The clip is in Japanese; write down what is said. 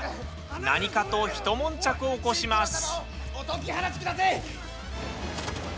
何かとひともんちゃく起こします。